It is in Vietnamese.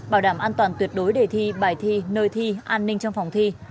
bảo đảm an toàn tuyệt đối đề thi bài thi nơi thi an ninh trong phòng thi